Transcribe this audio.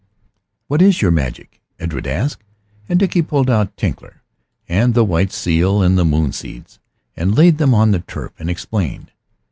"What is your magic?" Edred asked; and Dickie pulled out Tinkler and the white seal and the moon seeds, and laid them on the turf and explained.